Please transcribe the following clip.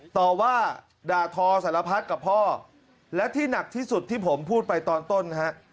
ต่อว่าด่าทอสารพัดกับพ่อและที่หนักที่สุดที่ผมพูดไปตอนต้นฮะ